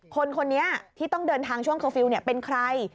คนนี้ที่ต้องเดินทางช่วงเคอร์ฟิลล์เป็นใคร